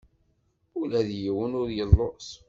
Ula d yiwen ur yelluẓ.